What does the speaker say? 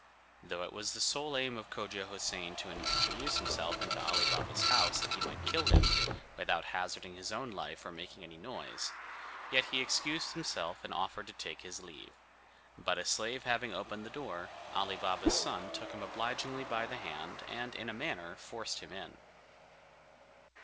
Though it was the sole aim of Cogia Houssain to introduce himself into Ali Baba's house that he might kill him, without hazarding his own life or making any noise, yet he excused himself and offered to take his leave; but a slave having opened the door, Ali Baba's son took him obligingly by the hand, and, in a manner, forced him in.